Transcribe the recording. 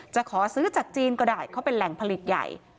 จะขอซื้อจากจีนก็ได้เขาเป็นแหล่งผลิตใหญ่